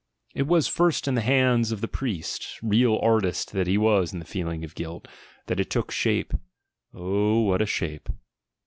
It was first in the hands of the priest, real artist that he was in the feeling of guilt, that it took shape— oh, what a shape!